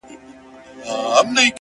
زما لېونۍ و ماته ښه خبر اکثر نه کوي-